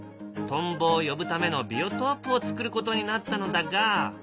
トンボを呼ぶためのビオトープをつくることになったのだが。